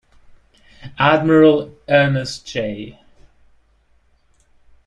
Admiral Ernest J.